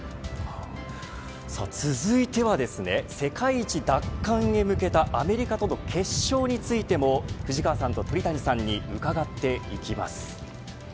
さあ、続いては世界一奪還へ向けたアメリカとの決勝についても藤川さんと鳥谷さんに伺っていきます。